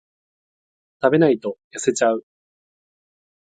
食べないと痩せちゃう